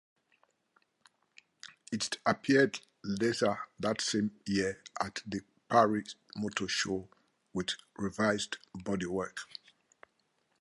It appeared later that same year at the Paris Motor Show with revised bodywork.